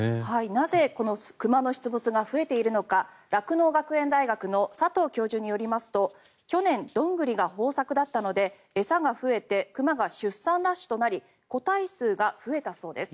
なぜこの熊の出没が増えているのか酪農学園大学の佐藤教授によりますと去年ドングリが豊作だったので餌が増えて熊が出産ラッシュとなり個体数が増えたそうです。